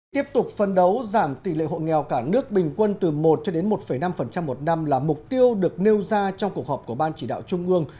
tiếp tục phân đấu giảm tỷ lệ hộ nghèo cả nước bình quân từ một cho đến một năm một năm là mục tiêu được nêu ra trong cuộc họp của ban chỉ đạo trung ương